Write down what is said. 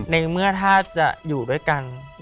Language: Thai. ในเมื่อถ้าจะอยู่ด้วยกัน